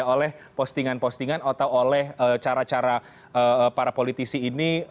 oleh postingan postingan atau oleh cara cara para politisi ini